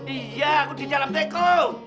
iya aku di dalam teko